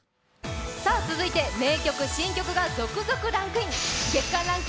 続いて名曲、新曲が続々ランクイン。